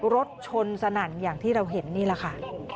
รถชนสนั่นอย่างที่เราเห็นนี่แหละค่ะ